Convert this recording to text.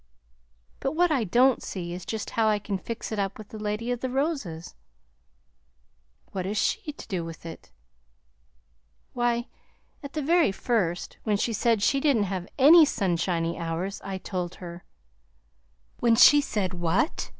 But what I don't see is just how I can fix it up with the Lady of the Roses." "What has she to do with it?" "Why, at the very first, when she said she didn't have ANY sunshiny hours, I told her " "When she said what?"